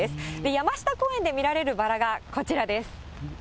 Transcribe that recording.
山下公園で見られるバラがこちらです。